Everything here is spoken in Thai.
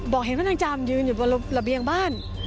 บอกเห็นพระนางจามยืนอยู่บริเวณละเบียงบ้าน